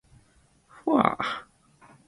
ふぁあ